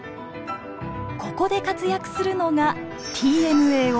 ここで活躍するのがＴＭＡＯ。